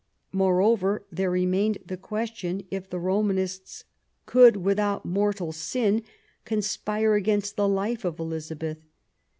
Moreover, there remained the question : If the Romanists could without mortal sin conspire against the life of Elizabeth.